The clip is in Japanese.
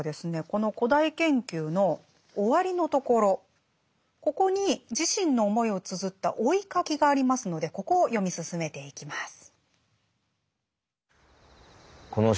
この「古代研究」の終わりのところここに自身の思いをつづった「追ひ書き」がありますのでここを読み進めていきます。